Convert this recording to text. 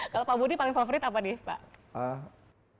kalau pak budi paling favorit apa nih pak